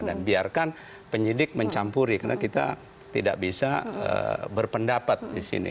dan biarkan penyidik mencampuri karena kita tidak bisa berpendapat di sini